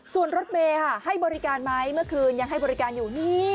โมเมให้บริการไหมเมื่อคืนยังให้บริการอยู่